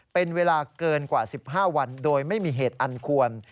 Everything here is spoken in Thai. เป็นเวลาเกินกว่า๑๕วันโดยไม่มีเหตุอันควร